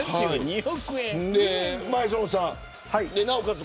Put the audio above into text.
前園さん、なおかつ